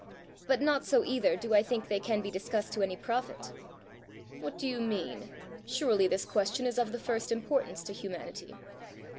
But not so either do I think they can be discussed to any profit." "What do you mean? Surely this question is of the first importance to humanity!"